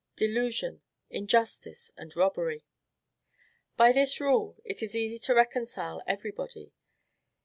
Delusion, injustice, and robbery. By this rule, it is easy to reconcile every body.